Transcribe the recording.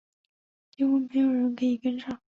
几乎没有人可以跟上